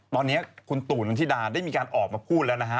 ตอนนี้คุณตู่นันทิดาได้มีการออกมาพูดแล้วนะฮะ